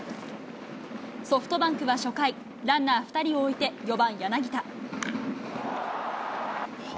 ソフトバンクは初回、ランナー２人を置いて、４番柳田。